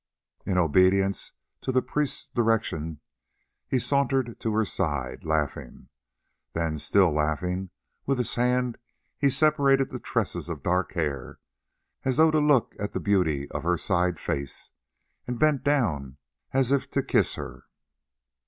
In obedience to the priest's direction he sauntered to her side laughing. Then, still laughing, with his hand he separated the tresses of dark hair, as though to look at the beauty of her side face, and bent down as if to kiss her.